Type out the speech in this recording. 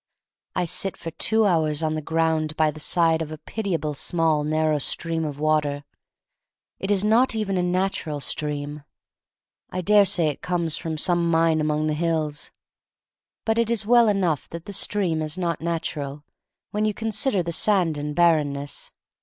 I sit for two hours on the ground by the side of a pitiably small narrow stream of water. It is not even a nat ural stream. I dare say it comes from some mine among the hills. But it is well enough that the stream is not nat ural — when you consider the sand and barrenness.